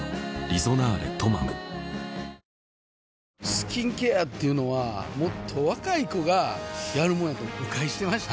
スキンケアっていうのはもっと若い子がやるもんやと誤解してました